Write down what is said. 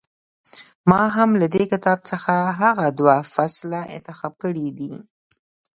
ما هم له دې کتاب څخه هغه دوه فصله انتخاب کړي دي.